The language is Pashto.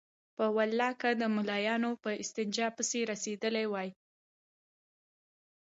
په والله که د ملايانو په استنجا پسې رسېدلي وای.